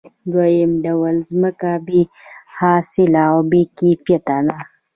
دویم ډول ځمکه بې حاصله او بې کیفیته ده